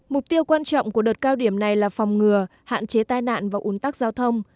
mục tiêu quan trọng của đợt cao điểm này là phòng ngừa hạn chế tai nạn và ủn tắc giao thông